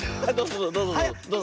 どうぞ。